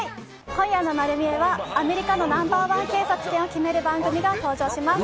今夜の『まる見え！』はアメリカのナンバーワン警察犬を決める番組が登場します。